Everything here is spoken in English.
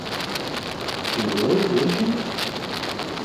She will, will she?